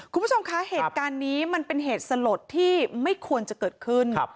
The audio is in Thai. คุณผู้ชมคะเหตุการณ์นี้มันเป็นเหตุสลดที่ไม่ควรจะเกิดขึ้น